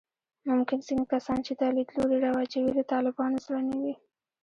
ممکن ځینې کسان چې دا لیدلوري رواجوي، له طالبانو زړه نه وي